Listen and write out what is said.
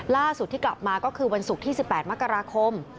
ล่าสุดที่กลับมาก็คือวันศุกร์ที่๑๘มกราคม